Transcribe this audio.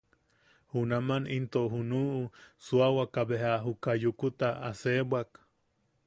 Junaman into junuʼu, suawaka beja juka Yukuta aseebwak.